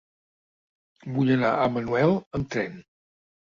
Vull anar a Manuel amb tren.